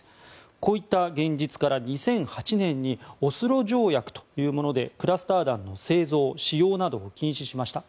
こういった現実から２００８年にオスロ条約というものでクラスター弾の製造・使用などを禁止しました。